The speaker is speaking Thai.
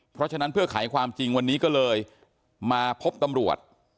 เพราะฉะนั้นเพื่อไขความจริงวันนี้ก็เลยมาพบตำรวจ